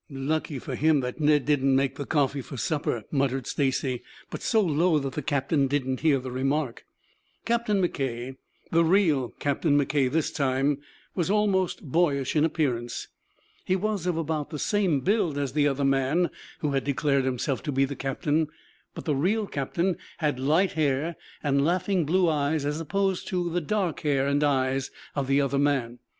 "Lucky for him that Ned didn't make the coffee for supper," muttered Stacy, but so low that the captain did not hear the remark. Captain McKay, the real Captain McKay this time, was almost boyish in appearance. He was of about the same build as the other man who had declared himself to be the captain, but the real captain had light hair and laughing blue eyes, as opposed to the dark hair and eyes of the other man.